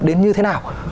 đến như thế nào